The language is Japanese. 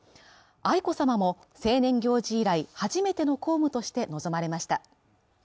愛子さまも成年行事以来初めての公務として臨まれました。